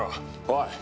「おい！